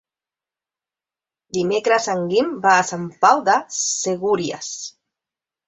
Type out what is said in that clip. Dimecres en Guim va a Sant Pau de Segúries.